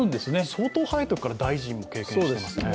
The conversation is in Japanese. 相当早いときから大臣を経験してますね。